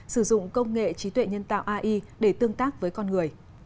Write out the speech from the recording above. sử dụng công nghệ trí tuệ nhân tạo ai để tương tác với con người